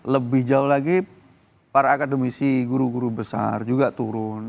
lebih jauh lagi para akademisi guru guru besar juga turun